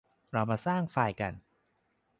เราจะมาสร้างไฟล์กัน